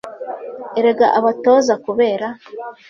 arega abatoza kubera